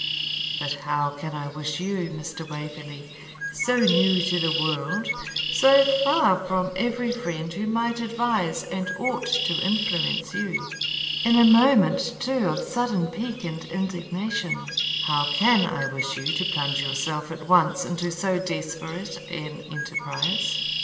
But how can I wish you, Mr. Waverley, so new to the world, so far from every friend who might advise and ought to influence you, in a moment, too, of sudden pique and indignation, how can I wish you to plunge yourself at once into so desperate an enterprise?'